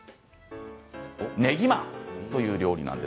ねぎまという料理です。